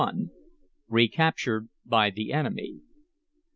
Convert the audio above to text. RECAPTURED BY THE ENEMY.